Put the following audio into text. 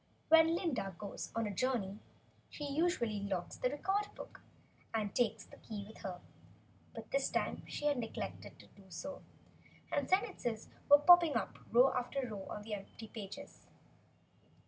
When Glinda goes on a journey, she usually locks the Record book and takes the key with her. But this time, she had neglected to do so, and sentences were popping up, row after row on the open pages.